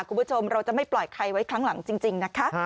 คุณผู้ชมเราจะไม่ปล่อยใครไว้ครั้งหลังจริงนะคะ